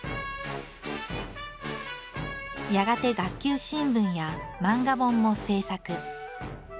やがて学級新聞や漫画本も制作。